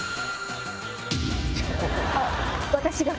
あっ私が。